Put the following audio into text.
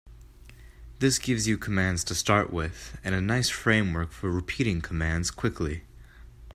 This gives you commands to start with and a nice framework for repeating commands quickly.